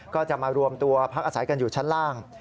ก็จะมารวมตัวพักอาศัยกันอยู่ชั้นล่าง